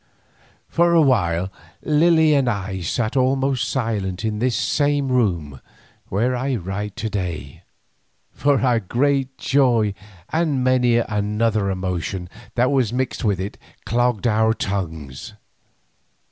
For a while Lily and I sat almost silent in this same room where I write to day, for our great joy and many another emotion that was mixed with it, clogged our tongues.